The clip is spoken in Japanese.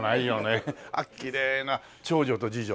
あっきれいな長女と次女？